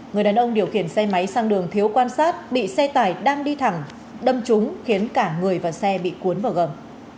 người đàn ông điều khiển xe máy sang đường thiếu quan sát bị xe tải đang đi thẳng đâm trúng khiến cả người và xe bị cuốn vào gầm